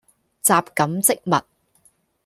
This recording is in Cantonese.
什錦漬物